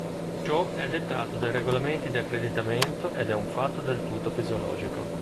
Ciò è dettato dai regolamenti di accreditamento ed è un fatto del tutto fisiologico.